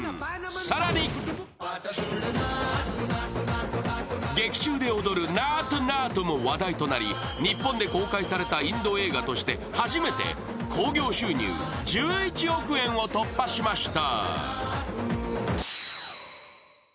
更に劇中で踊る「ナートゥ・ナートゥ」も話題となり、日本で公開されたインド映画として初めて興行収入１１億円を突破しました。